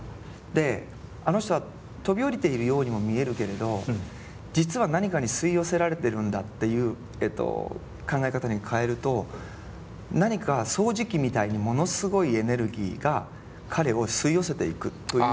であの人は飛び降りてるようにも見えるけれども実は何かに吸い寄せられてるんだっていうえっと考え方に変えると何か掃除機みたいにものすごいエネルギーが彼を吸い寄せていくという方に映る。